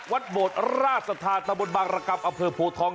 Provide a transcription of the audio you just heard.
วัดโบสถ์ราชสถานสมบันบากระกับอเผิดโผทอง